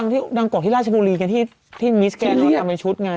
นังกวักที่ราชบุรีกันที่มิสแกนออกมาชุดไง